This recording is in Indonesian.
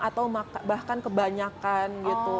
atau bahkan kebanyakan gitu